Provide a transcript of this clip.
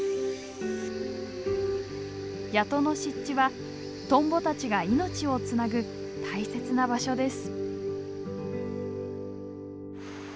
谷戸の湿地はトンボたちが命をつなぐ大切な場所です。